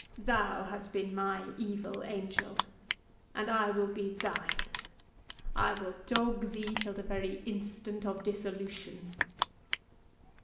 Thou hast been my evil angel, and I will be thine—I will dog thee till the very instant of dissolution!"